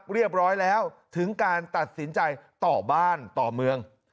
เรียบร้อยแล้วถึงการตัดสินใจต่อบ้านต่อเมือง